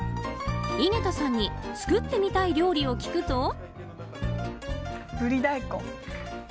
井桁さんに作ってみたい料理を聞くと。